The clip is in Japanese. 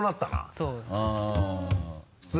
そうですね。